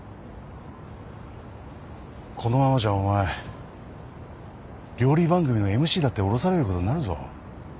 このままじゃお前料理番組のＭＣだって降ろされることになるぞ。